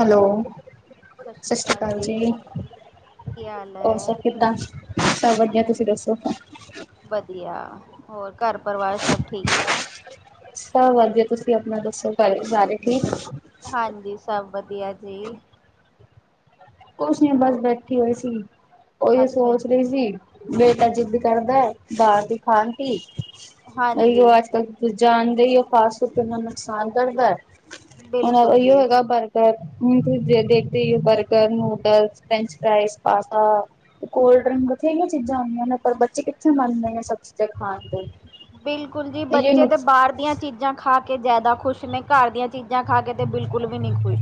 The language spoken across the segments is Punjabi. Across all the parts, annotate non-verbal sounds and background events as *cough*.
ਹੈਲੋ ਸਤਿ ਸ਼੍ਰੀ ਸਸਰੀ ਅਕਾਲ ਦੀ, ਜੀ। ਕੀ ਹਾਲ ਹੋਰ ਹੈ? ਸਭ ਕਿੱਦਾਂ, ਸਭ ਵੱਧੀਆ ਤੁਸੀਂ ਦੱਸੋ? ਵੱਧੀਆ, ਹੋਰ ਘਰ ਪਰਵਾਰ ਸਭ ਠੀਕ ਐ? ਸਭ ਵੱਧੀਆ ਤੁਸੀਂ ਆਪਣਾ ਦੱਸੋ ਘਰ ਸਾਰੇ ਠੀਕ? ਹਾਂਜੀ ਸਭ ਵੱਧੀਆ ਜੀ। ਕੁਛ ਨੀ ਹੋ ਬਸ ਬੈਠੀ ਹੋਈ ਸੀ ਉਹੀ ਅੱਛਾ, ਸੋਚ ਦੀ ਸੀ, ਬੇਟਾ ਜਿੱਦ ਕਰਦਾ ਬਾਰ ਦਿਖਾਣਤੀ, ਹਾਂਜੀ। ਉਈਓ ਅੱਜ-ਕੱਲ ਤੁਸੀਂ ਜਾਣਦੇ ਹੀ ਓ ਫਾਸਟ-ਫੂਡ ਕਿੰਨਾ ਨੁਕਸਾਨ ਕਰਦਾ, ਐ ਹੁਣ ਬਿਲਕੁਲ ਓਈਓ ਜੀ, ਹੈਗਾ ਬਾਰ ਹ ਤੁਸੀਂ ਦੇਖਦੇ ਹੀ ਓ burger, noodle, French, fries, pasta. ਤੇ ਕੋਲਡ ਡਰਿੰਕ ਬਥੇਰੀਆਂ ਚੀਜ਼ਾਂ ਆਈਆਂ ਨੇ ਪਰ ਬੱਚੇ ਕਿੱਥੇ ਮੰਨਦੇ ਨੇ ਸਭ ਚੀਜ਼ਾਂ ਖਾਣ ਦੇ ਬਿਲਕੁਲ ਜੀ ਬੱਚੇ ਤੇ ਬਾਰ ਦੀਆਂ ਚੀਜ਼ਾਂ ਖਾ ਕੇ ਜ਼ਾਦਾ ਖੁਸ਼ ਨੇ, ਘਰ ਦੀਆਂ ਚੀਜ਼ਾਂ ਖਾ ਕੇ ਤੇ ਬਿਲਕੁਲ ਵੀ ਨੀ ਖੁਸ਼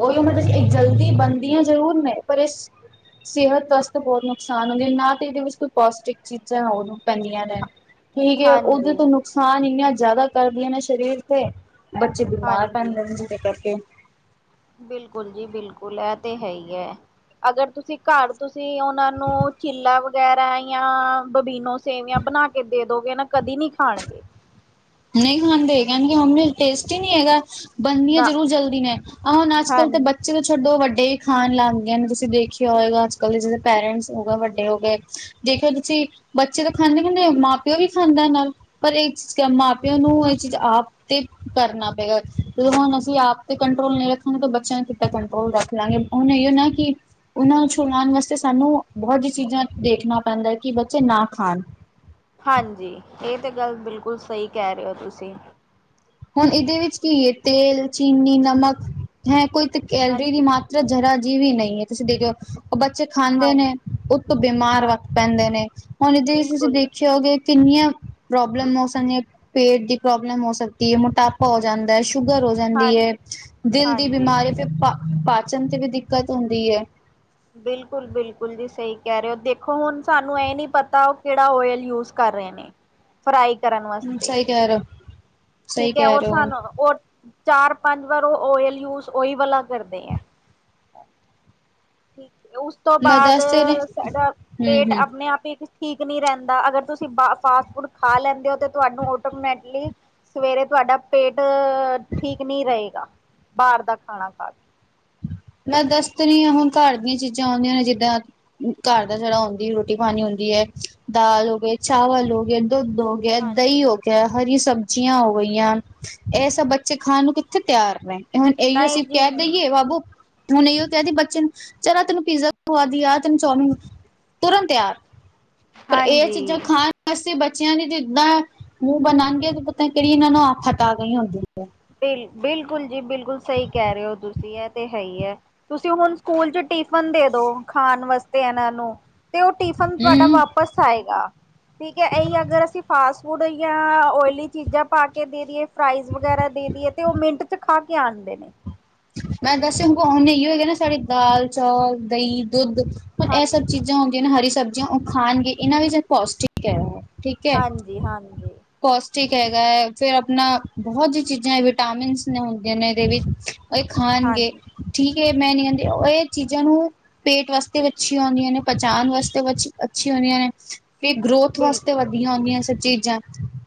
ਉਹੀ ਮੈਂ ਦੱਸਦੀ ਜਲਦੀ ਬਣਦੀ ਆ ਜ਼ਰੂਰ ਮੈਂ ਪਰ ਇਸ ਸੇਹਤ ਵਾਸਤੇ ਬੋਤ ਨੁਕਸਾਨ ਹੁੰਦੇ ਨਾ ਤਾਂ ਏਦੇ ਵਿੱਚ ਕੋਈ ਪੌਸ਼ਟਿਕ ਚੀਜ਼ਾਂ ਹੋਰ ਪੈਂਦੀਆਂ ਨੇ ਠੀਕ ਹੈ ਓਦੇ ਹਾਂਜੀ, ਤੋਂ ਨੁਕਸਾਨ ਇੰਨਾ ਜ਼ਾਦਾ ਕਰਦੀਆਂ ਨੇ ਸ਼ਰੀਰ ਤੇ ਬੱਚੇ ਬਿਮਾਰ ਹਾਂਜੀ। ਪੈਂਦੇ ਨੇ ਜਿਦੇ ਕਰਕੇ ਬਿਲਕੁਲ ਜੀ -ਬਿਲਕੁਲ ਏ ਤੇ ਹੈ ਈ ਐ, ਅਗਰ ਤੁਸੀਂ ਘਰ ਤੁਸੀਂ ਓਂਨਾ ਨੂੰ ਚਿਲਾ ਵਗੈਰਾ ਜਾਂ ਬਬੀਨੋ ਸੇਵੀਆਂ ਬਣਾ ਕੇ ਦੇਦੋਗੇ ਨਾ ਕਦੀ ਨੀ ਖਾਣਗੇ ਨਈ ਖਾਂਦੇ ਏ ਕੈਣਗੇ ਮੰਮੀ ਅੱਜ ਟੇਸਟੀ ਨਈ ਹੈਗਾ। ਬਣਦੀਆ ਨਾ ਜ਼ਰੂਰ ਜਲਦੀ ਨੇ, ਆਹ ਹੁਣ ਹਾਂ ਅੱਜ-ਕੱਲ੍ਹ ਤੇ ਬੱਚ ਬੱਚੇ ਤੋਂ ਛੱਡੋ ਵੱਡੇ ਈ ਖਾਣ ਲੱਗ ਨੇ ਤੁਸੀਂ ਦੇਖਿਆ ਹੋਏਗਾ ਅੱਜ-ਕੱਲ ਦੇ ਜਿਦਾ‌ ਪੇਰੈਂਟਸ ਹੋ ਗਏ ਵੱਡੇ ਹੋ ਗਏ ਜੇ ਕਰ ਤੁਸੀਂ ਬੱਚੇ ਤਾਂ ਖਾਂਦੇ ਹੁੰਦੇ ਹੋ ਮਾਂ ਪਿਓ ਵੀ ਖਾਂਦਾ ਨਾਲ ਪਰ ਏ ਚੀਜ਼ ਮਾਂ ਤੇ ਓਨੂੰ ਏ ਚੀਜ਼ ਆਪ ਤੇ ਕਰਨਾ ਪਏਗਾ ਜਦੋਂ ਹੁਣ ਅਸੀਂ ਆਪ ਤੇ ਕੰਟਰੋਲ ਨਹੀਂ ਰੱਖਾਂਗੇ ਤਾਂ ਬੱਚਿਆਂ ਨੇ ਕਿਥੋਂ ਕੰਟਰੋਲ ਰੱਖ ਲਾਂਗੇ ਹੁਣ ਇਹੋ ਨਾ ਕਿ ਉਹਨਾਂ ਨੂੰ ਛੁਡਵਾਉਣ ਵਾਸਤੇ ਸਾਨੂੰ ਬਹੁਤ ਜਿਹੀ ਚੀਜ਼ਾਂ ਦੇਖਣਾ ਪੈਂਦਾ ਕਿ ਬੱਚੇ ਨਾ ਖਾਣ ਹਾਂਜੀ ਇਹ ਤੇ ਗੱਲ ਬਿਲਕੁਲ ਸਹੀ ਕਹਿ ਰਹੇ ਹੋ ਤੁਸੀਂ। ਹੁਣ ਇਹਦੇ ਵਿੱਚ ਕੀ ਏ ਤੇਲ, ਚੀਨੀ, ਨਮਕ ਹੈਂ ਕੋਈ ਤੇ ਕੈਲਰੀ ਦੀ ਹਾਂਜੀ ਮਾਤ ਜਰਾ ਜੀਵ ਵੀ ਨਹੀਂ ਐ ਤੁਸੀਂ ਦੇਖਦੇ ਬੱਚੇ ਖਾਂਦੇ ਹਾਂ ਨੇ ਉਹ ਤੋਂ ਬਿਮਾਰ ਹਾਂ ਵੱਖਤ ਪੈਂਦੇ ਨੇ ਹੁਣ ਜੈ ਤੁਸੀਂ ਬਿਲਕੁਲ ਦੇਖਉ ਹੋਗੇ ਕਿੰਨੀਆਂ ਪ੍ਰੋਬਲਮ ਹੋ ਸਕਦੀਆਂ ਪੇਟ ਦੀ ਪ੍ਰੋਬਲਮ ਹੋ ਸਕਦੀ ਐ ਮੋਟਾਪੇ ਹੋ ਜਾਂਦਾ ਏ, ਸ਼ੂਗਰ ਹੋ ਜਾਂਦੀ ਏ, ਹਾਂਜੀ ਦਿਲ ਦੀ ਹਾਂਜੀ ਬਿਮਾਰੀ ਫਿਰ ਪਾ ਪਾਚਨ ਤੇ ਵੀ ਦਿੱਕਤ ਹੁੰਦੀ ਏ ਬਿਲਕੁਲ-ਬਿਲਕੁਲ ਜੀ ਸਹੀ ਕਹਿ ਰਹੇ ਹੋ ਦੇਖੋ ਹੁਣ ਸਾਨੂੰ ਇਹ ਨੀ ਪਤਾ ਉਹ ਕਿਹੜਾ ਓਇਲ ਯੂਜ ਕਰ ਰਹੇ ਨੇ ਫਰਾਈ ਕਰਨ ਵਾਸਤੇ ਕਿਆਰ ਠੀਕ ਰ ਸਾਨੂੰ ਰ ਚਾਰ ਪੰਜ ਵਾਰ ਉਹ ਓਇਲ ਯੂਜ ਓਹੀ ਵਾਲਾ ਕਰ ਦੇ ਠੀਕ ਉਸ ਤੋਂ ਮੈਂ ਬਾਅਦ ਦੱਸ ਤੇ ਰਹੀ ਸਾਡਾ ਪੇਟ ਹੂੰ-ਹੂੰ ਆਪਣੇ ਆਪ ਹੀ ਠੀਕ ਨਹੀਂ ਰਹਿੰਦਾ ਅਗਰ ਤੁਸੀਂ ਫਾਸਟ ਫੂਡ ਖਾ ਲੈਂਦੇ ਹੋ ਤੁਹਾਨੂੰ ਟੋਮੈਟਲੀ ਸਵੇਰੇ ਤੁਹਾਡਾ ਪੇਟ ਅ ਠੀਕ ਨਹੀਂ ਰਹੇਗਾ ਬਾਹਰ ਦਾ ਖਾਣਾ ਖਾ ਕੇ ਮੈਂ ਦੱਸ ਰਹੀ ਹਾਂ ਹੁਣ ਘਰ ਦੀਆਂ ਚੀਜ਼ਾਂ ਹਾਂਜੀ ਆਉਂਦੀਆਂ ਨੇ ਜਿੱਦਾਂ ਘਰ ਦਾ ਜਿਹੜਾ ਹੁੰਦੀ ਰੋਟੀ ਪਾਣੀ ਹੁੰਦੀ ਹੈ ਦਾਲ ਹੋ ਗਏ ਚਾਵਲ ਹੋ ਗਏ ਦੁੱਧ ਹੋ ਗ ਹੋ ਗਿਆ ਹਾਂਜੀ ਦਹੀਂ ਹੋ ਗਿਆ ਹਰੀ ਸਬਜ਼ੀਆਂ ਹਾਂਜੀ ਹੋਗਿਆ ਇਹ ਸਭ ਬੱਚੇ ਖਾਣ ਨੂੰ ਕਿੱਥੇ ਤਿਆਰ ਨੇਹੇ ਹੁਣ ਇਹੀ ਨਹੀਂ ਅਸੀਂ ਜੀ ਕਹਿ ਨਹੀਂ ਦੇਈਏ ਬਾਬੂ ਹੁਣ ਇਹਓ ਕਹਿਦੀ ਬੱਚੇ ਚਾਰ ਤੈਨੂੰ ਪੀਜ਼ਾ ਖਵਾਦੀ ਆ ਤੈਨੂੰ ਚੌਮਿਨ ਤੁਰਨ ਤਿਆਰ ਪਰ ਇਹ ਚੀਜ਼ਾਂ ਹਾਂਜੀ ਖਾਣ ਅਸੀਂ ਬੱਚਿਆਂ ਦੀ ਤੇ ਜਿੱਦਾਂ ਮੂੰਹ ਬਣਾਗੇ ਤੇ ਪਤਾ ਕਿਹੜੀ ਇਹਨਾਂ ਨੂੰ ਆਪ ਹਤ ਆ ਗਈ ਹੁੰਦੀ ਹੈ। ਬਿਲ ਬਿਲਕੁਲ ਜੀ ਬਿਲਕੁਲ ਸਹੀ ਕਹਿ ਰਹੇ ਹੋ ਤੁਸੀਂ ਇਹ ਤੇ ਹੈ ਹੀ। ਤੁਸੀਂ ਹੁਣ ਸਕੂਲ ਚ ਟਿਫਨ ਦੇ ਦੋ ਖਾਣ ਵਾਸਤੇ ਇਹਨਾਂ ਨੂੰ ਤੇ ਉਹ ਟਿਫਨ ਤੁਹਾਡਾ ਹਮ ਵਾਪਿਸ ਆਏਗਾ। ਠੀਕ ਹੈ ਏਹ ਅਗਰ ਅਸੀਂ ਫਾਸਟ ਫੂਡ ਯ ਓਇਲੀ ਚੀਜ਼ਾਂ ਪਾ ਦੇ ਦੇਏ ਫਰਾਈਜ਼ ਵਗੈਰਾ ਦੇ ਦੀ ਹੈ ਤੇ ਉਹ ਮਿੰਟ ਚ ਖਾ ਕੇ ਆਣਦੇ ਨੇ। ਮੈਂ ਦੱਸਿਆ ਕੋ ਨੇ ਹੀ ਹੋਗੇ ਨਾ ਸਾਡੇ ਦਾਲ, ਚਾਲ, ਦਹੀਂ, ਦੁੱਧ, ਹੁਣ ਇਹ ਹਾਂਜੀ ਸਭ ਚੀਜ਼ਾਂ ਹੁੰਦੀਆਂ ਨੇ ਹਰੀ ਸਬਜ਼ੀਆਂ ਉਹ ਖਾਣਗੇ ਇਹਨਾਂ ਵਿੱਚ ਪੌਸ਼ਟਿਕ ਹੈ ਠੀਕ ਹੈ। ਹਾਂਜੀ ਹਾਂਜੀ ਕੋਸਟਿਕ ਹੈਗਾ ਹੈ ਫ਼ਿਰ ਆਪਣਾ ਬਹੁਤ ਜਿਹੀ ਚੀਜ਼ਾਂ ਵਿਟਾਮਿਨਸ ਨੇ ਹੁੰਦੀਆਂ ਨੇ ਇਹਦੇ ਵਿੱਚ ਇਹ ਖਾਣਗੇ ਹਾਂਜੀ ਠੀਕ ਮੈਂ ਨੀ ਕਹਿੰਦੀ ਇਹ ਚੀਜ਼ਾਂ ਨੂੰ ਪੇਟ ਵਾਸਤੇ ਵੀ ਅੱਛੀਆਂ ਆਉਂਦੀਆਂ ਨੇ ਪਚਾਣ ਵਾਸਤੇ ਅੱਛੀ ਹੁੰਦੀਆਂ ਨੇ ਫ ਗਰੋਥ ਵਾਸਤੇ ਬਿਲਕੁਲ ਵਧੀਆ ਹੁੰਦੀਆਂ ਏਹ ਸਭ ਚੀਜ਼ਾਂ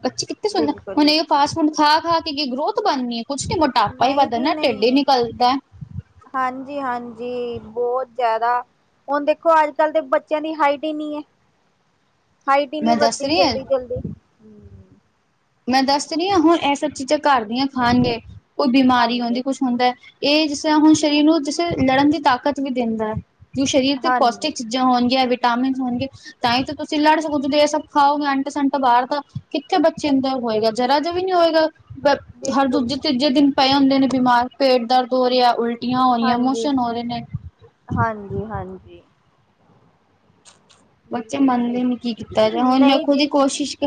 ਬੱਚੇ ਕਿੱਥੇ ਸੁਣਨਾ ਬਿਲਕੁਲ ਹੁਣ ਇਹ ਜੀ। ਫਾਸਟ ਫੂਡ ਖਾ ਖਾ ਕੇ ਕੀ ਗਰੋਥ ਬਣਨੀ ਹੈ ਕੁਛ ਨੀ ਮੋਟਾਪਾ ਹੀ ਨਹੀਂ ਵੱਧ ਜੀ ਨਾ ਟਢਿੱਡ ਹੀ ਨਹੀਂ ਨਿਕਲਦਾ ਹਾਂਜੀ ਹਾਂਜੀ ਬਹੁਤ ਜ਼ਿਆਦਾ। ਹੁਣ ਦੇਖੋ ਅੱਜ ਕਲ ਦੇ ਬੱਚਿਆਂ ਦੀ ਹਾਈਟ ਹਿ ਨਹੀਂ ਹੈ। *inaudible* ਹਾਈਟ ਹੀ ਨੀ ਮੈਂ ਦੱਸ ਵੱਧਦੀ ਰਹੀ ਹਾਂ ਜਲਦੀ ਜਲਦੀ ਹ ਮੈਂ ਦੱਸ ਰਹੀ ਹਾਂ ਹੁਣ ਇਹ ਸਭ ਚੀਜ਼ਾਂ ਘਰ ਦੀਆਂ ਖਾਣਗੇ ਕੋਈ ਬਿਮਾਰੀ ਹਾਂਜੀ ਉਹਦੀ ਕੁਛ ਹੁੰਦਾ। ਇਹ ਜਿਸ ਤਰ੍ਹਾਂ ਹੁਣ ਸਰੀਰ ਨੂੰ ਜਿਸੇ ਲੜਨ ਦੀ ਤਾਕਤ ਵੀ ਦਿੰਦਾ ਹੈ ਜੋ ਸਰੀਰ ਤੇ ਹਾਂਜੀ ਪੌਸ਼ਟਿਕ ਚੀਜ਼ਾਂ ਹੋਣ ਗਇ ਵਿਟਾਮਿਨ ਹੋਣ ਗੇ ਤਾਂ ਹੀ ਤੁਸੀਂ ਲੜ ਸਕੋ ਜਦੋਂ ਇਹ ਸਭ ਖਾਓਗੇ ਆਂਟ ਸਟ ਬਾਹਰ ਤਾਂ ਕਿੱਥੇ ਬੇ ਚਿੰਦਾ ਹੋਏਗਾ ਜ਼ਰਾ ਜਿ ਵੀ ਨੀ ਹੋਏਗਾ ਹਰ ਬਿਲਕੁਲ ਦੂਜੇ ਤੀਜੇ ਦਿਨ ਪਏ ਹੁੰਦੇ ਨੇ ਬਿਮਾਰ ਪੇਟ ਦਰਦ ਹੋ ਰਿਹਾ ਉਲਟੀਆਂ ਹੋ ਰਹੀਆਂ ਮੋਸ਼ਨ ਹੋ ਰਹੇ ਨੇ ਹਾਂਜੀ-ਹਾਂਜੀ। ਬੱਚੇ ਬਿਲਕੁਲ ਮੰਨਦੇ ਸਹੀ ਨੇ ਕੀ ਕੀਤਾ ਤੇ ਹੁਣ ਮੈਂ ਨਹੀਂ ਖੁਦ ਈ ਜੀ ਨਹੀਂ ਕੋਸ਼ਿਸ਼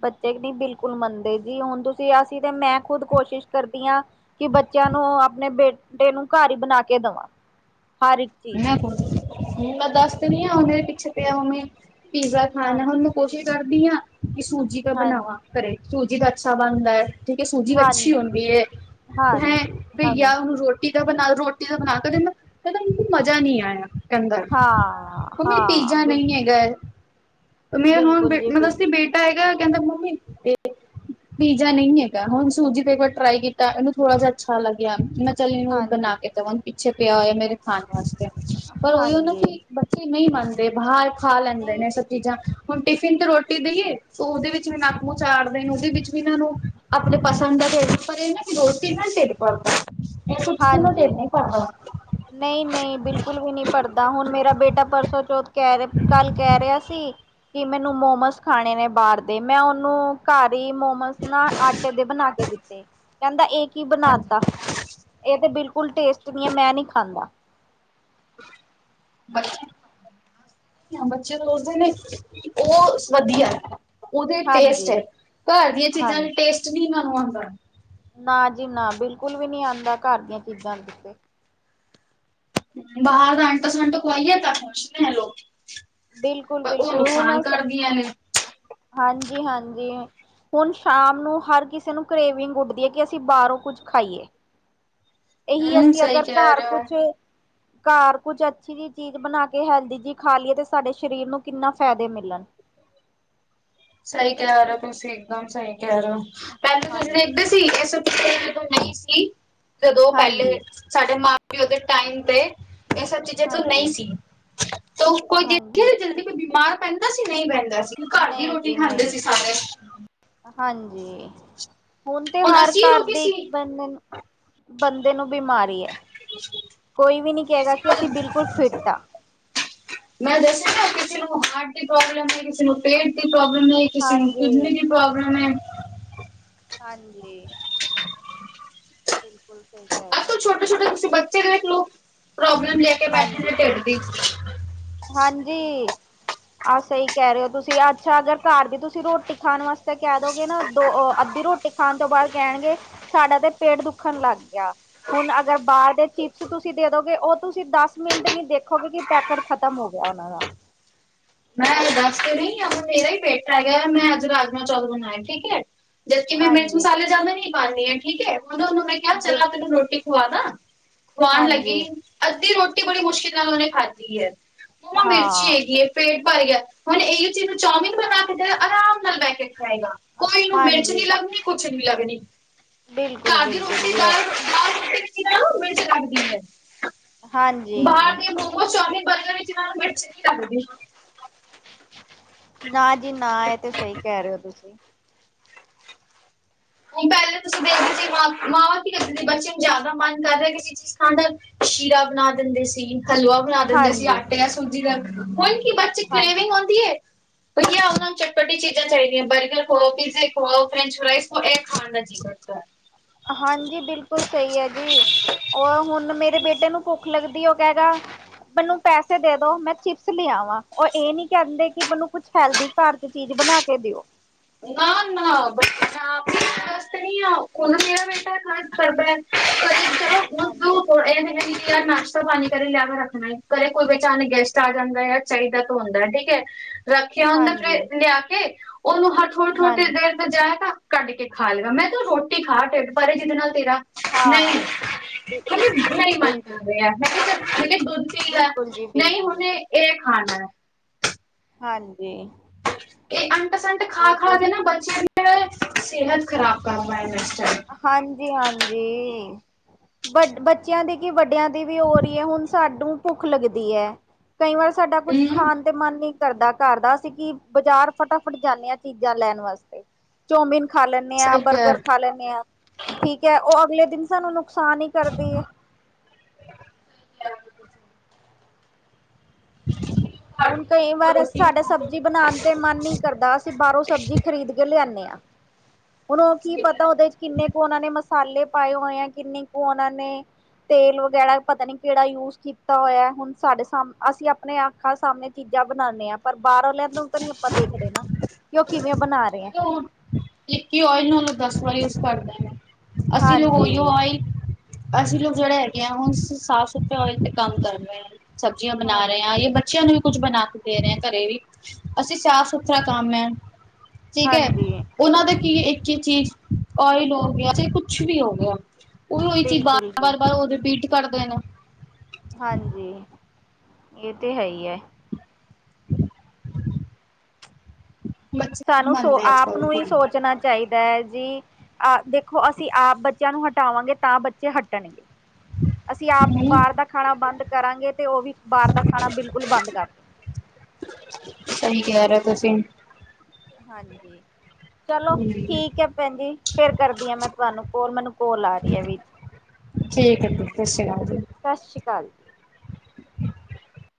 ਬੱਚੇ ਨੀ ਬਿਲਕੁਲ ਮੰਨਦੇ ਜੀ ਹੁਣ ਤੁਸੀਂ ਆ ਸੀ ਤੇ ਮੈਂ ਖੁਦ ਕੋਸ਼ਿਸ਼ ਕਰਦੀ ਆ। ਕਿ ਬੱਚਿਆਂ ਨੂੰ ਆਪਣੇ ਬੇਟੇ ਨੂੰ ਘਰ ਈ ਬਣਾ ਕੇ ਦੇਵਾਂ, ਹਰ ਇੱਕ ਚੀਜ਼ ਮੈਂ ਮੈਂ ਦੱਸ ਦੱਨੀ ਆ ਹੁਣ ਮੇਰੇ ਪਿੱਛੇ ਪਿਆ ਉਵੇਂ ਪੀਜ਼ਾ ਹਾਂ ਖਾਣਾ ਉਹਨੂੰ ਕੋਸ਼ਿਸ਼ ਕਰਦੀ ਆ ਕਿ ਸੂਜੀ ਤਾਂ ਹਾਂ ਬਣਾਵਾਂ ਘਰੇ ਸੂਜੀ ਤਾਂ ਅੱਛਾ ਬਣਦਾ ਐ। ਸੂਜੀ ਅੱਛੀ ਹਾਂਜੀ ਹੁੰਦੀ ਐ ਹਾਂਜੀ ਹੈਂ ਜਾ ਹਾਂਜੀ ਉਹਨੂੰ ਰੋਟੀ ਰੋਟੀ ਦਾ ਬਣਾ ਰੋਟੀ ਦਾ ਬਣਾ ਕੇਦਾ ਕਹਿੰਦਾ ਮੈਨੂੰ ਮਜ਼ਾ ਨੀ ਆਇਆ। ਕਹਿੰਦਾ, ਹਾਂ ਉਹ ਮੰਮੀ ਹਾਂ ਪੀਜ਼ਾ ਨਈ ਬਿਲਕੁਲ ਹੈਗਾ ਮੇ ਬਿਲਕੁਲ ਹੁਣੇ ਜੀ ਮੈਂ ਬਿਲ ਦੱਸਦੀ ਬੇਟਾ ਹੈਗਾ ਕਹਿੰਦਾ ਮੰਮੀ ਪੀਜਾ ਨਈ ਹੈਗਾ ਹੁਣ ਸੂਜੀ ਤੇ ਇੱਕ ਵਾਰ ਟਰਾਈ ਕੀਤਾ ਮਨੂੰ ਥੋੜਾ ਜਿਹਾ ਅੱਛਾ ਲੱਗਿਆ ਮ ਚਲੀ ਨੂੰ ਬਣਾ ਹਾਂਜੀ ਕੇ ਦੇਵਾ ਪਿੱਛੇ ਪਿਆ ਹੋਇਆ ਮੇਰੇ ਖਾਣ ਵਾਸਤੇ ਪਰ ਉਹੀਓ ਨਾ ਹਾਂਜੀ ਕਿ ਬੱਚੇ ਨਈ ਮੰਨਦੇ ਬਾਹਰ ਖਾ ਲੈਂਦੇ ਨੇ ਨਹੀਂ ਇਹ ਜੀ ਸਭ ਚੀਜ਼ਾਂ ਹੁਣ ਟਿਫਿਨ ਤੇ ਰੋਟੀ ਦੇਈਏ ਉਹਦੇ ਵਿੱਚ ਵੀ ਨੱਕ ਮੂੰਹ ਚਾੜਦੇ ਨੇ ਉਹਦੇ ਵਿੱਚ ਵੀ ਇਹਨਾਂ ਨੂੰ ਆਪਣੇ ਪਸੰਦ ਦਾ ਤੇ ਪਰ ਇਹ ਨਾ ਕਿ ਰੋਟੀ ਨਾਲ ਟਿਡ ਭਰਦਾ। ਇਹ ਕੁਛ ਏਦਾ ਦੇਰ ਨੀ ਕਰਦਾ ਨਈ-ਨਈ ਬਿਲਕੁਲ ਵੀ ਨੀ ਭਰਦਾ, ਹੁਣ ਮੇਰਾ ਬੇਟਾ ਪਰਸੋਂ ਚੌਥ ਕ ਕਹਿ ਕੱਲ ਕਹਿ ਰਿਹਾ ਸੀ, ਕਿ ਮੈਨੂੰ ਮੋਮਸ ਖਾਣੇ ਨੇ ਬਾਰ ਦੇ ਮੈਂ ਉਹਨੂੰ ਘਰ ਈ ਮੋਮੋਸ ਨਾ ਆਟੇ ਦੇ ਬਣਾ ਕੇ ਦਿੱਤੇ ਕਹਿੰਦਾ ਇਹ ਕੀ ਬਣਾ ਤਾ, ਹਾਂਜੀ ਇਹ ਤੇ ਬਿਲਕੁਲ ਟੇਸਟ ਨੀ ਐ ਮੈਂ ਨੀ ਖਾਂਦਾ। ਬੱਚੇ-ਬੱਚੇ ਰੁਸਦੇ ਨੇ। ਉਹ ਸ ਵਧੀਆ ਉਹਦੇ ਟੇਸਟ ਐ ਹਾਂਜੀ ਘਰ ਦੀਆਂ ਚੀਜ਼ਾਂ ਹਾਂਜੀ ਟੇਸਟ ਨੀ ਮੈਨੂੰ ਆਦਾ ਨੀ। ਨਾ ਜੀ ਨਾ ਬਿਲਕੁਲ ਵੀ ਨੀ ਆਦਾ ਘਰ ਦੀਆਂ ਚੀਜ਼ਾਂ ਤੇ ਬਾਹਰ ਅੰਟ ਸਵੰਟ ਖਵਾਈਏ ਤਾ ਖੂਸ ਨੇ ਲੋਕ ਪਰ ਉਹ ਨੁਕਸਾਨ ਕਰਦੀਆਂ ਨੇ। ਹਾਂਜੀ-ਹਾਂਜੀ। ਹੁਣ ਸ਼ਾਮ ਨੂੰ ਹਰ ਕਿਸੇ ਨੂੰ ਕਰੇਵਿੰਗ ਉੱਡਦੀ ਐ ਕਿ ਅਸੀਂ ਬਾਹਰੋਂ ਕੁੱਝ ਖਾਈਏ। ਇਹੀ ਐ ਹਮ ਕੀ ਸਹੀ ਅਗਰ ਕਹਿ ਘਰ ਰਹੇ ਹੋ ਕੁਛ ਘਰ ਕੁਝ ਅੱਛੀ ਜਿਹੀ ਚੀਜ਼ ਬਣਾ ਕੇ ਹੈਲਦੀ ਜਿਹੀ ਖਾ ਲਈਏ ਤੇ ਸਾਡੇ ਸਰੀਰ ਨੂੰ ਕਿੰਨਾ ਫਾਇਦੇ ਮਿਲਣ ਸਹੀ ਕਹਿ ਰੇ ਔ ਤੁਸੀਂ, ਇੱਕਦਮ ਸਹੀ ਕਹਿ ਰਹੇ ਔ ਹਾਂਜੀ, ਪਹਿਲੇ ਤੁਸੀਂ *unintelligible* ਇਸ ਪਿੱਛੇ ਜਦੋਂ ਨੀ ਸੀ ਜਦੋਂ ਪਹਿਲੇ ਹਾਂਜੀ, ਸਾਡੇ ਮਾਂ ਪਿਓ ਦੇ ਟਾਈਮ ਤੇ ਮੈਂ ਸੱਚੀ ਜਦੋਂ ਨਹੀਂ ਹਾਂਜੀ, ਸੀ ਤਾਂ ਕੋਈ ਦੇਖ ਹਾਂਜੀ। ਜਲਦੀ ਕੋਈ ਬਿਮਾਰ ਪੈਂਦਾ ਸੀ, ਨਈ ਪੈਂਦਾ ਸੀ। ਕੱਠੀ ਨਹੀਂ ਰੋਟੀ ਜੀ ਖਾਂਦੇ ਨਹੀਂ, ਸੀ ਸਾਰੇ ਹਾਂਜੀ, ਹੁਣ ਤੇ ਹਰ ਅਸੀਂ ਘਰ ਲੋਕੀ ਦੇ ਇੱਕ ਸੀ ਬੰਦੇ ਬੰਦੇ ਨੂੰ ਬਿਮਾਰੀ ਐ, ਕੋਈ ਵੀ ਨੀ ਕਹੇਗਾ ਕਿ ਅਸੀਂ ਬਿਲਕੁਲ ਫਿਟ ਆ ਮੈਂ ਦੱਸਿਆ ਨਾ ਕਿਸੇ ਨੂੰ ਹਾਰਟ ਦੀ ਪ੍ਰੋਬਲਮ ਐ ਕਿਸੇ ਨੂੰ ਪੇਟ ਦੀ ਪ੍ਰੋਬਲਮ ਐ। ਕਿਸੀ ਨੂੰ ਕਿਡਨੀ ਹਾਂਜੀ, ਦੀ ਪ੍ਰੌਬਲਮ ਐ। ਹਾਂਜੀ। *inaudible* ਬਿਲਕੁਲ ਸਹੀ ਕਹਿ ਰਹੇ ਔ। ਛੋਟੇ-ਛੋਟੇ ਤੁਸੀ ਬੱਚੇ ਦੇਖ ਲੋ, ਪ੍ਰੋਬਲਮ ਲੈ ਕੇ ਬੈਠੇ ਹਾਂਜੀ, ਨੇ ਢਿੱਡ ਦੀ ਹਾਂਜੀ। ਆਹ ਸਹੀ ਕਹਿ ਰਹੇ ਹੋ ਤੁਸੀਂ ਅੱਛਾ ਅਗਰ ਘਰ ਦੀ ਤੁਸੀਂ ਰੋਟੀ ਖਾਣ ਵਾਸਤੇ ਕਹਿ ਦੋਗੇ ਨਾ ਦੋ ਅ ਅੱਧੀ ਰੋ ਕੀ ਖਾਣ ਤੋਂ ਬਾਅਦ ਕਹਿਣਗੇ ਸਾਡਾ ਤੇ ਪੇਟ ਦੁੱਖਣ ਲੱਗ ਗਿਆ ਹੁਣ ਅਗਰ ਬਾਹਰ ਦੇ ਚਿਪਸ ਤੁਸੀਂ ਦੇ ਦੋਗੇ ਉਹ ਤੁਸੀਂ ਦਸ ਮਿੰਟ ਨੀ ਦੇਖੋਗੇ ਕਿ ਪੈਕਟ ਖ਼ਤਮ ਹੋ ਗਿਆ ਉਹਨਾਂ ਦਾ ਮੈਂ ਦੱਸ ਤੇ *unintelligible* ਮੈਂ ਅੱਜ ਰਾਜਮਾ ਚੌਲ ਬਣਾਏ ਠੀਕ ਹੈ ਜਦਕਿ ਮੈਂ ਮਿਰਚ ਹਾਂਜੀ ਮਸਾਲੇ ਜਿਆਦਾ ਨੀ ਪਾਂਦੀ ਠੀਕ ਹੈ ਹੁਣ ਉਹਨੂੰ ਮੈਂ ਕਿਹਾ ਚੱਲ ਬਿਲ ਆ ਤੈਨੂੰ ਰੋਟੀ ਖਵਾਦਾ ਖਵਾਉਣ ਲੱਗੀ ਹਾਂਜੀ ਅੱਧੀ ਰੋਟੀ ਬੜੀ ਮੁਸ਼ਕਿਲ ਨਾਲ ਉਹਨੇ ਖਾਧੀ ਹੈ ਮੰਮਾ ਮਿਰਚੀ ਹਾਂ ਹੈਗੀ ਹੈ ਪੇਟ ਭਰ ਗਿਆ ਹੁਣ ਇਹਹੀ ਚੀਜ਼ਾਂ ਚੌਮਿਨ ਬਣਾ ਕੇ ਦੇਵਾ ਆਰਾਮ ਨਾਲ ਬੈ ਕੇ ਖਏਗਾ ਕੋਈ ਇਹਨੂੰ ਮਿਰਚ ਹਾਂਜੀ ਨੀਂ ਲੱਗਣੀ ਕੁੱਛ ਨੀ ਲੱਗਣੀ ਬਿਲਕੁਲ ਘਾਰ ਦੀ ਬਿਲਕੁਲ ਰੋਟੀ ਜੀ *unintelligible* ਇਹ ਦਾਲ *unintelligible* ਤਾਂ ਦਾਲ ਰੋਟੀ *unintelligible* ਉਨੂੰ ਮਿਰਚ ਲੱਗਦੀ ਹੈ ਹਾਂਜੀ ਬਾਹਰ ਦੇ ਉਹ ਚੌਮਿਨ ਬਰਗਰ ਵਿੱਚ ਇਹਨਾਂ ਨੂੰ ਮਿਰਚ ਨੀ ਲੱਗਦੀ ਆ ਨਾ ਜੀ ਨਾ ਇਹ ਤੇ ਸਹੀ ਕਹਿ ਰਹੇ ਹੋ ਤੁਸੀਂ ਹੁਣ ਪਹਿਲਾਂ ਤੁਸੀਂ ਦੇਖਦੇ *unintelligible* ਮਾਵਾਂ ਕੀ ਕ ਸੀ ਬੱਚੇ ਨੂੰ ਜ਼ਿਆਦਾ ਮਨ ਕਰ ਰਿਹਾ ਕਿਸੇ ਚੀਜ਼ ਖਾਣ ਦਾ ਸ਼ੀਰਾ ਬਣਾ ਦਿੰਦੇ ਸੀ ਹਲਵਾ ਬਣਾ ਦਿੰਦੇ ਸੀ ਹਾਂਜੀ ਆਟੇ ਯਾਂ ਸੂਜੀ ਦਾ ਹੁਣ ਕੀ ਬੱਚੇ ਹਾਂਜੀ ਕ੍ਰਵਿੰਗ ਹੋਂਦੀ ਏ ਭਈਆ ਉਨ੍ਹਾਂ ਨੂੰ ਚਟਪੱਟੀ ਚੀਜ਼ਾਂ ਚਾਹੀਦੀਆਂ ਬਰਗਰ ਖਵਾਓ ਪੀਜ਼ੇ ਖਵਾਉ ਫਰੈਂਚ ਫਰਾਈਜ਼ ਹੁਣੇ ਏ ਖਾਣ ਦਾ ਜੀ ਕਰਦਾ ਹਾਂਜੀ ਬਿਲਕੁਲ ਸਹੀ ਹੈ ਜੀ ਉਹ ਹੁਣ ਮੇਰੇ ਬੇਟੇ ਨੂੰ ਭੁੱਖ ਲੱਗਦੀ ਉਹ ਕਹਿ ਗਾ ਮੈਨੂੰ ਪੈਸੇ ਦੇ ਦੋ ਮੈਂ ਚਿਪਸ ਲੇ ਆਵਾਂ ਉਹ ਇਹ ਨੀ ਕਹਿੰਦੇ ਕਿ ਮੈਨੂੰ ਕੁੱਛ ਹੈਲਦੀ ਘਰ ਚ ਚੀਜ ਬਣਾ ਕੇ ਦਿਓ ਨਾ ਨਾ *unintelligible* *unintelligible* ਹਾਂਜ ਉਹ ਇਹ ਨੀਂ ਕੀ ਨਾਸ਼ਤਾ ਪਾਣੀ ਘਰੇ ਲਿਆ ਕੇ ਰੱਖਣਾ ਏ ਘਰੇ ਕੋਈ ਅਚਾਨਕ ਗੈਸਟ ਆ ਜਾਣਦੈ ਚਾਹੀਦਾ ਤੁਹਾਡਾ ਠੀਕ ਹੈ ਰੱਖਿਆ ਹੁੰਦਾਂ ਹਾਂਜੀ ਫਿਰ ਲਿਆ ਕੇ ਉਹਨੂੰ ਹਰ *unintelligible* ਹਾਂ ਮੈਂ *unintelligible* ਤਾਂ ਕੱਢ ਕੇ ਖਾ ਲਵਾਂ ਮੈਂ ਤੇ ਰੋਟੀ ਖਾ ਢਿੱਡ ਭਾਰੇ ਜਿਹਦੇ ਨਾਲ ਤੇਰਾ ਨਹੀਂ ਹਾਂ *unintelligible* ਨਹੀਂ ਮੰਨ ਬਿਲਕੁਲ ਕਰ ਰਿਆ *unintelligible* ਕੀ ਐ ਬਿਲਕੁਲ ਜੀ ਨਹੀਂ ਬਿਲਕੁਲ ਹੁਣੇ ਇਹ ਖਾਣੈ ਹਾਂਜੀ ਇਹ ਅੰਟ ਸੰਟ ਖਾ ਇਹ ਖਾ ਤੇ ਕੇ ਨਾ *unintelligible* ਸਿਹਤ ਖ਼ਰਾਬ ਕਰਨਾ ਇਹਨਾਂ ਨੇ ਹਾਂਜੀ ਹਾਂਜੀ ਵਡ ਬੱਚਿਆਂ ਦੇ ਕਿ ਵੱਡਿਆਂ ਦ ਦੀ ਵੀ ਹੋ ਰਹੀ ਹੈ ਹੁਣ ਸਾਨੂੰ ਭੁੱਖ ਲੱਗਦੀ ਐ ਕਈ ਵਾਰ ਸਾਡਾ ਕੁੱਛ ਹੂੰ ਖਾਣ ਤੇ ਮਨ ਨਹੀ ਕਰਦਾ ਘਰ ਦਾ ਅਸੀਂ ਕਿ ਬਜ਼ਾਰ ਫਟਾਫਟ ਜਾਂਦੇ ਹਾਂ ਚੀਜ਼ਾਂ ਲੈਣ ਵਾਸਤੇ ਚੌਮੀਨ ਖਾ ਲੈਂਣੇ ਆ ਸਹੀ ਕਹਿ ਬਰਗਰ ਖਾ ਲੈਂਣ *unintelligible* ਠੀਕ ਐ ਉਹ ਅਗਲੇ ਦਿਨ ਸਾਨੂੰ ਨੁਕਸਾਨ ਹੀ ਕਰਦੀ ਏ *inaudible* ਹੁਣ ਕਈ ਵਾਰ ਰੋਟੀ ਸਾਡਾ ਖਾਓ ਸਬਜ਼ੀ ਬਣਾਣ ਤੇ ਮਨ ਨੀ ਕਰਦਾ ਅਸੀਂ ਬਾਹਰੋਂ ਸਬਜ਼ੀ ਖਰੀਦ ਕੇ ਲਿਆਂਣੇ ਆਂ ਹੁਣ ਉਹ ਕੀ ਸਹੀ ਪਤਾ ਹੈ। ਉਹਦੇ ਚ ਕਿੰਨੇ ਕੁਝ ਉਹਨਾਂ ਨੇ ਮਸਾਲੇ ਪਾਏ ਹੋਏ ਏ ਕਿੰਨੇ ਕੁ ਉਹਨਾਂ ਨੇ ਤੇਲ ਵਗੈਰਾ ਪਤਾ ਨੀ ਕਿਹੜਾ ਯੂਜ ਕੀਤਾ ਹੋਇਆ ਹੁਣ ਸਾਡੇ ਸਮ ਅਸੀਂ ਆਪਣੇ ਆਪ ਅੱਖਾਂ ਸਾਹਮਣੇ ਚੀਜ਼ਾਂ ਬਣਾਣੇ ਆਂ ਪਰ ਬਾਹਰੋਂ *unintelligible* ਨੂੰ ਤਾਂ ਨੀ ਆਪਾਂ ਦੇਖਦੇ ਨਾ ਕਿ ਉਹ ਕਿਵੇਂ ਬਣਾ ਰਹੇ ਆ ਇਕੀ ਓਇਲ ਨੂੰ ਉਹ ਦਸ ਵਾਰ ਯੂਜ ਕਰਦੇ ਨੇ ਅਸੀਂ *unintelligible* ਹਾਂਜੀ ਓਇਲ ਅਸੀਂ ਲੋਕ ਜਿਹੜੇ ਹੈਗੇ ਆਂ ਹੁਣ ਸ ਸਾਫ਼ ਸੁਥਰੇ ਔਏਲ ਤੇ ਕੰਮ ਕਰ ਰਹੇ ਆ ਸਬਜ਼ੀਆਂ ਬਣਾ ਰਹੇ ਹਾਂਜੀ ਹਾਂ *unintelligible* ਬੱਚਿਆਂ ਨੂੰ ਸਭ ਕੁਛ ਬਣਾ ਕੇ ਦੇ ਰਹੇ ਘਰੇ ਵੀ, ਅਸੀਂ ਸਾਫ਼ -ਸੁਥਰਾ ਕੰਮ ਐ, ਠੀਕ ਹੈ। ਹਾਂਜੀ ਉਹਨਾਂ ਦਾ ਕੀ ਇੱਕ ਹੀ ਚੀ ਚੀਜ਼, ਓਇਲ ਹੋ ਗਿਆ, ਚਾਹੇ ਕੁਛ ਵੀ ਹੋ ਗਿਆ ਉਹਨੂੰ - ਉਹੀ ਚੀਜ਼ ਬਿਲਕੁਲ ਬਾਰ ਜੀ - ਬਾਰ ਉਹ ਰਿਪੀਟ ਕਰ ਦੇਣਾ। ਹਾਂਜੀ ਇਹ ਤੇ ਹੈ ਹੀ ਐ। *inaudible* ਬੱਚੇ ਨੀ ਸਾਨੂੰ ਸੋ, ਮੰਨਦੇ ਆਪ ਅੱਜ-ਕੱਲ ਨੂੰ ਕੀ ਹੀ ਸੋਚਣਾ ਚਾਹੀਦਾ ਐ ਜੀ ਆ, ਦੇਖੋ ਅਸੀਂ ਆਪ ਬੱਚਿਆਂ ਨੂੰ ਹਟਾਵਾਂਗੇ, ਤਾਂ ਬੱਚੇ ਹਟਣਗੇ। ਅਸੀਂ ਆਪ ਹੂੰ ਬਾਹਰ ਦਾ ਖਾਣਾ ਬੰਦ ਕਰਾਂਗੇ ਤੇ ਉਹ ਵੀ ਬਾਹਰ ਦਾ ਖਾਣਾ ਬਿਲਕੁਲ ਬੰਦ ਕਰਨ। ਸਹੀ ਕਹਿ ਰਹੇ ਤੁਸੀਂ - ਹਾਂਜੀ ਚਲੋ, ਠੀਕ ਹੈ ਭੈਣ ਜੀ, ਫਿਰ ਕਰਦੀ ਆਂ ਮੈਂ ਤੁਹਾਨੂੰ ਕੋਲ, ਮੈਨੂੰ ਕੋਲ ਆ ਰਹੀ ਐ ਵਿੱਚ। ਠੀਕ ਹੈ ਠੀਕ ਹੈ, ਸਾਸਰੀ ਕਾਲ ਜੀ। ਸੱਸਰੀ ਕਾਲ ਜੀ। *inaudible*